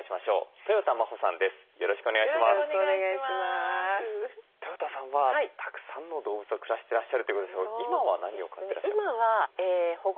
とよたさんはたくさんの動物と暮らしてらっしゃるということですけど今は何を飼ってらっしゃるんですか？